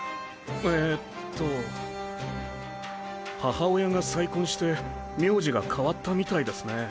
えっと母親が再婚して名字が変わったみたいですね。